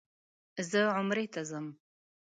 زه عمرې ته ځم.